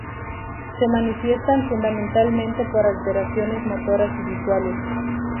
Se manifiestan fundamentalmente por alteraciones motoras y visuales.